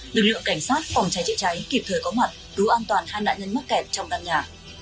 lực lượng cảnh sát phòng cháy chữa cháy kịp thời có mặt cứu an toàn hai nạn nhân mắc kẹt trong căn nhà